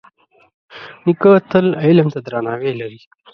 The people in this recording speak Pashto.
نیکه تل علم ته درناوی لري.